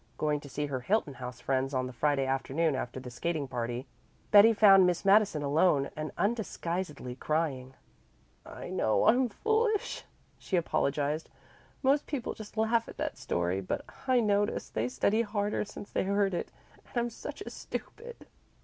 Going to see her Hilton House friends on the Friday afternoon after the skating party, Betty found Miss Madison alone and undisguisedly crying. "I know I'm foolish," she apologized. "Most people just laugh at that story, but I notice they study harder since they heard it. And I'm such a stupid."